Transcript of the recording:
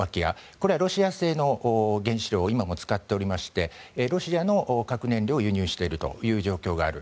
これはロシア製の原子炉を今も使っておりましてロシアの核燃料を輸入しているという状況がある。